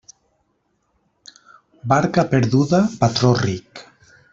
Barca perduda, patró ric.